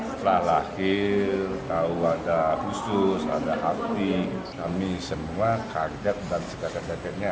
setelah lahir tahu ada usus ada hati kami semua kaget dan segala kagetnya